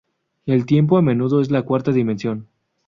El tiempo, a menudo, es la cuarta dimensión.